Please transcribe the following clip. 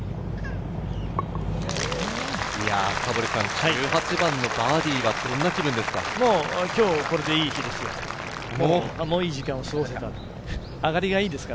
１８番のバーディーはどんな気分ですか？